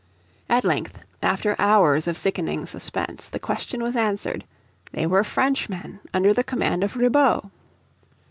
At length, after hours of sickening suspense, the question was answered, they were Frenchmen under the command of Ribaut.